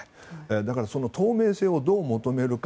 だから透明性をどう求めるか。